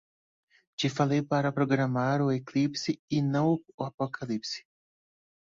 Te falei para programar o eclipse e não o apocalipse